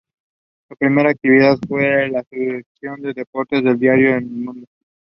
His other teachers include his father Mawlana Adam and Yusuf Motala.